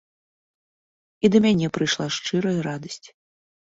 І да мяне прыйшла шчырая радасць.